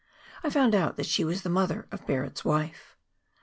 I found out that she was the mother of Barret's wife.